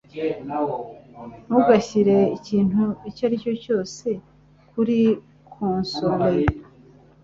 Ntugashyire ikintu icyo aricyo cyose kuri konsole.